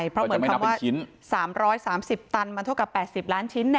เพราะเหมือนคำว่า๓๓๐ตันมันเท่ากับ๘๐ล้านชิ้น